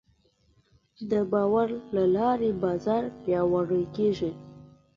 د باور له لارې بازار پیاوړی کېږي.